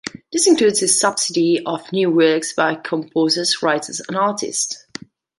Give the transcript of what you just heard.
This includes the subsidy of new works by composers, writers and artists.